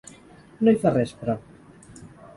No hi fa res, però.